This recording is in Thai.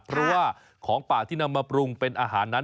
เพราะว่าของป่าที่นำมาปรุงเป็นอาหารนั้น